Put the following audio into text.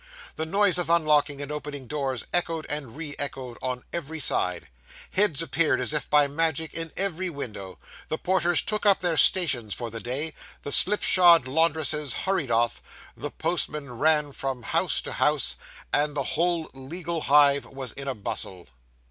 The noise of unlocking and opening doors echoed and re echoed on every side; heads appeared as if by magic in every window; the porters took up their stations for the day; the slipshod laundresses hurried off; the postman ran from house to house; and the whole legal hive was in a bustle.